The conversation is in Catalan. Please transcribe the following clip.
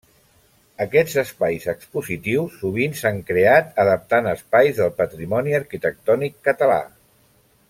Aquests espais expositius sovint s'han creat adaptant espais del patrimoni arquitectònic català.